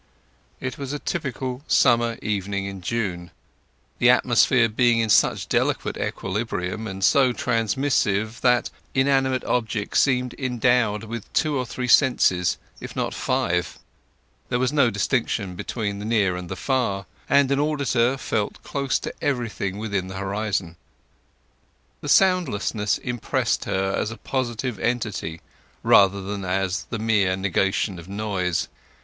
It was a typical summer evening in June, the atmosphere being in such delicate equilibrium and so transmissive that inanimate objects seemed endowed with two or three senses, if not five. There was no distinction between the near and the far, and an auditor felt close to everything within the horizon. The soundlessness impressed her as a positive entity rather than as the mere negation of noise.